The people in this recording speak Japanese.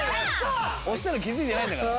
押したの気付いてないんだから。